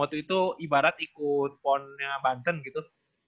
waktu itu ibarat ikut ponnya banten gitu